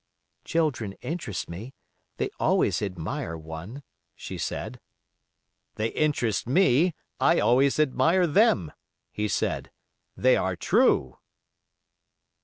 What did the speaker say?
"Children interest me, they always admire one," she said. "They interest me, I always admire them," he said. "They are true."